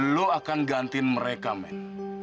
lo akan gantiin mereka men